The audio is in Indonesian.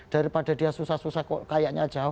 daripada dia susah susah kok kayaknya jauh